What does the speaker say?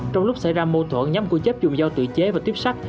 trong lúc xảy ra mâu thuẫn nhóm của chớp dùng do tự chế và tiếp sắc